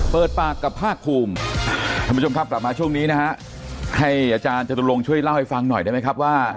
เปิดปากกับภาคภูมิท่านผู้ชมครับกลับมาช่วงนี้นะฮะให้อาจารย์จตุลงช่วยเล่าให้ฟังหน่อยได้ไหมครับว่า